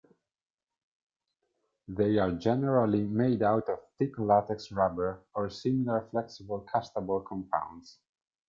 They are generally made out of thick latex rubber or similar flexible castable compounds.